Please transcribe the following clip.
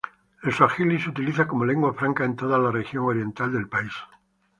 El suajili se utiliza como lengua franca en toda la región oriental del país.